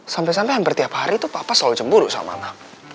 sampai sampai hampir tiap hari itu papa selalu cemburu sama anak